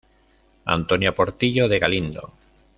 Antonia Portillo de Galindo.